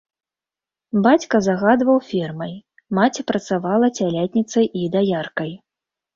Бацька загадваў фермай, маці працавала цялятніцай і даяркай.